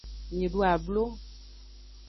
Mi du ablo.